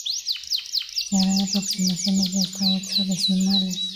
Se harán aproximaciones de hasta ocho decimales.